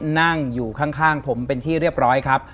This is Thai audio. นั่งอยู่ข้างผมเป็นที่เรียบร้อยครับ